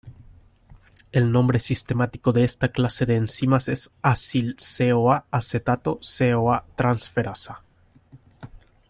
El nombre sistemático de esta clase de enzimas es "acil-CoA:acetato CoA-transferasa".